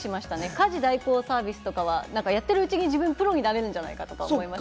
家事代行サービスとかはやっているうちに自分プロになれるんじゃないかと思いました。